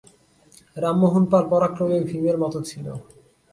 রামমোহন মাল পরাক্রমে ভীমের মতো ছিল।